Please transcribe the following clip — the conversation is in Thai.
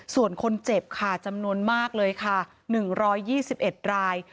ส่วนคนเจ็บค่ะจำนวนมากเลยค่ะหนึ่งร้อยยี่สิบเอ็ดราย